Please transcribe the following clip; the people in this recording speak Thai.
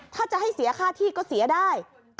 ถ้าจะให้เสียค่าที่ก็เสียได้